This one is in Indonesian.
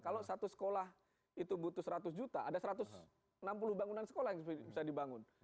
kalau satu sekolah itu butuh seratus juta ada satu ratus enam puluh bangunan sekolah yang bisa dibangun